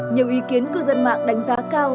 nhiều ý kiến cư dân mạng đánh giá cao